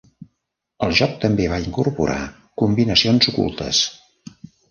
El joc també va incorporar combinacions ocultes.